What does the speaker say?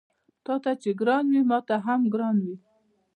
تاته چې ګران وي ماته هم ګران وي